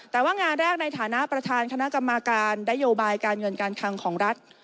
แต่ว่างานแรกในฐานะประธานคณะกรรมการนโยบายการเงินการคังของรัฐ